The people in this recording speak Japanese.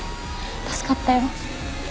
助かったよ。